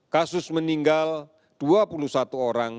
kasus meninggal dua puluh satu orang